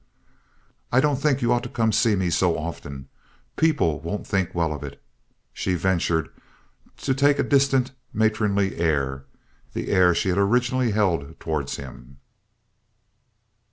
"I don't think you ought to come to see me so often. People won't think well of it." She ventured to take a distant, matronly air—the air she had originally held toward him.